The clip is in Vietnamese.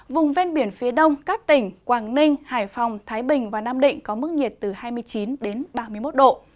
vùng ven biển phía đông các tỉnh quảng ninh hải phòng thái bình và nam định có mức nhiệt từ hai mươi chín đến ba mươi một độ